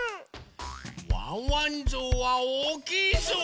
ワンワンぞうはおおきいぞう！